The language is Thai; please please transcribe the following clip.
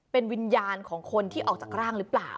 เป็นวิญญาณของคนที่ออกจากร่างหรือเปล่า